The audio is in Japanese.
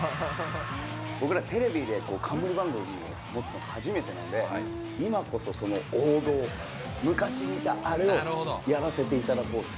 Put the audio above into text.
僕ら、テレビで冠番組を持つの初めてなので、今こそその王道、昔見たあれをやらせていただこうと。